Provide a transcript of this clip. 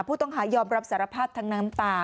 ผู้ต้องหายอมรับสารภาพทั้งน้ำตา